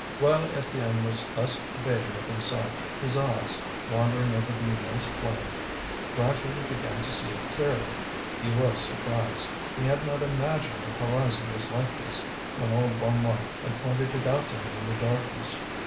While Étienne was thus debating with himself, his eyes, wandering over the immense plain, gradually began to see it clearly. He was surprised; he had not imagined the horizon was like this, when old Bonnemort had pointed it out to him in the darkness.